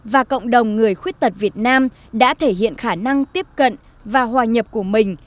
và cộng đồng người khuyết tật việt nam đã thể hiện khả năng tiếp cận và hòa nhập của mình